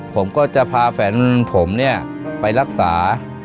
ผมก็จะพาแฟนผมเนี่ยไปรักษา